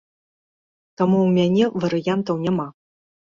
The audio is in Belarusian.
Таму ў мяне варыянтаў няма.